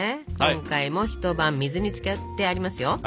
今回も一晩水につかってありますよ。